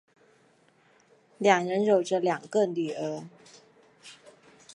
两人有着两个女儿。